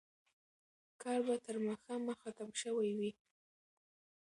کار به تر ماښامه ختم شوی وي.